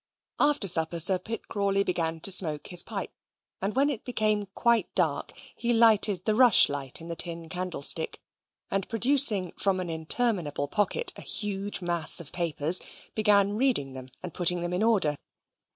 After supper Sir Pitt Crawley began to smoke his pipe; and when it became quite dark, he lighted the rushlight in the tin candlestick, and producing from an interminable pocket a huge mass of papers, began reading them, and putting them in order.